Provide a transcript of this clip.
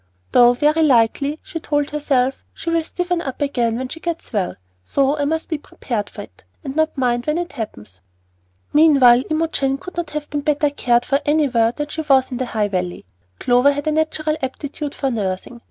"Though very likely," she told herself, "she will stiffen up again when she gets well; so I must be prepared for it, and not mind when it happens." Meanwhile Imogen could not have been better cared for anywhere than she was in the High Valley. Clover had a natural aptitude for nursing.